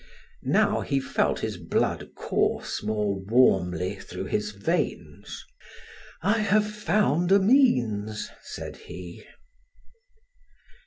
Now he felt his blood course more warmly through his veins. "I have found a means," said he.